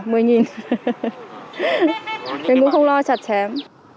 mình cũng không lo chặt chém